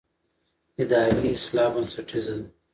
اداري اصلاح بنسټیزه ده